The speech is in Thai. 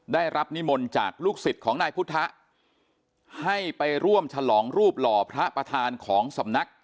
ได้รับนิมนต์จากลูกศิษย์ของนายพุทธะให้ไปร่วมฉลองรูปหล่อพระประธานของสำนัก